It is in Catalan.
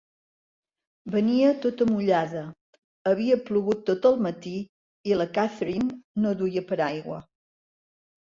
Venia tota mullada; havia plogut tot el matí i la Catherine no duia paraigua.